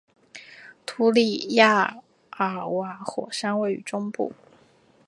图里亚尔瓦火山位于中部。